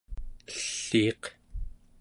elliiq